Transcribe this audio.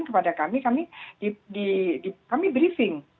kepada kami kami di kami briefing